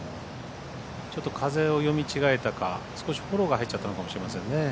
ちょっと風を読み違えたか少しフォローが入っちゃったのかもしれませんね。